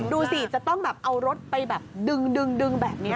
ดูสิจะต้องแบบเอารถไปแบบดึงแบบนี้